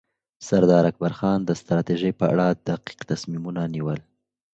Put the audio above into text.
سردار اکبرخان د ستراتیژۍ په اړه دقیق تصمیمونه نیول.